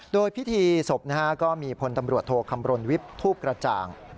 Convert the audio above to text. โดยพิธีศพก็มีพลตำรวจโทคำรณวิทย์ทูปกระจ่าง